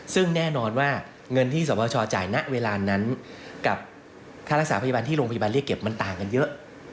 ซึ่งแน่นอนว่าเงินที่สวชจ่ายณเวลานั้นกับค่ารักษาพยาบาลที่โรงพยาบาลเรียกเก็บมันต่างกันเยอะ